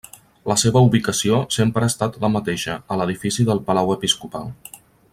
La seva ubicació sempre ha estat la mateixa, a l'edifici del palau episcopal.